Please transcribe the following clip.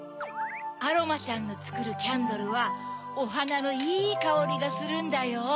アロマちゃんのつくるキャンドルはおはなのいいかおりがするんだよ。